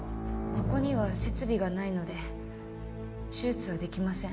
ここには設備がないので手術はできません